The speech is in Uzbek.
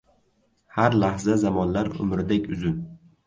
Har lahza zamonlar umridek uzun.